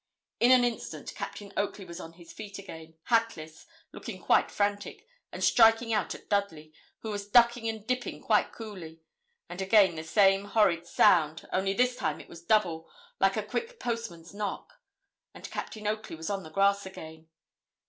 In an instant Captain Oakley was on his feet again, hatless, looking quite frantic, and striking out at Dudley, who was ducking and dipping quite coolly, and again the same horrid sound, only this time it was double, like a quick postman's knock, and Captain Oakley was on the grass again.